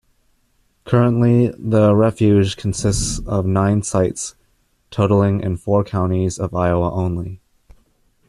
Currently, the refuge consists of nine sites totaling in four counties of Iowa only.